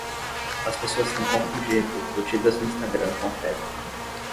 As pessoas têm confundido curtidas no Instagram com afeto